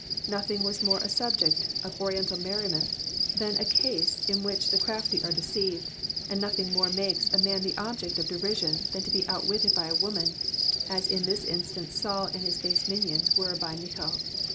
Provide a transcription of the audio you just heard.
Nothing was more a subject of Oriental merriment than a case in which the crafty are deceived, and nothing more makes a man the object of derision than to be outwitted by a woman, as in this instance Saul and his base minions were by Michal.